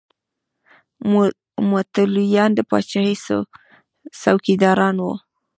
متولیان د پاچاهۍ څوکیداران وو.